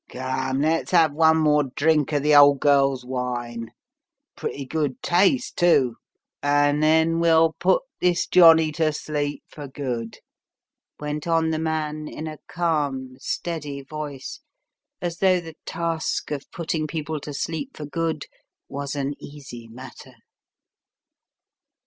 " Come, let's have one more drink of the old girl's wine. Pretty good taste, too, and then we'll put this johnny to sleep for good," went on the man in a calm, steady voice as though the task of putting people to sleep for good was an easy matter.